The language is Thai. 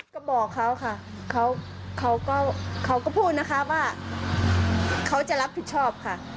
ก็บอกเขาค่ะเขาก็เขาก็พูดนะคะว่าเขาจะรับผิดชอบค่ะ